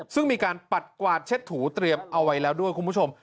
ซึ่งมีการปัดกวาดเช็ดถูเตรียมเอาไว้แล้วด้วยคุณผู้ชม